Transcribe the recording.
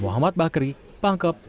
muhammad bakri pangkep